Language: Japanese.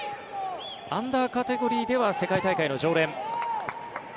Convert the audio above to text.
アンダーカテゴリーでは世界大会の常連。